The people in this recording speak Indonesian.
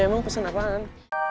iya emang pesen apaan